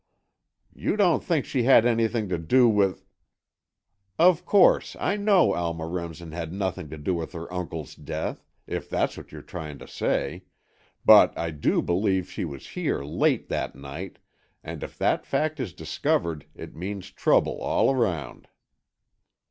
"You don't think she had anything to do with——" "Of course, I know Alma Remsen had nothing to do with her uncle's death, if that's what you're trying to say, but I do believe she was here late that night, and if that fact is discovered, it means trouble all round."